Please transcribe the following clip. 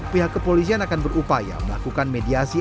pihak kepolisian akan berupaya melakukan mediasi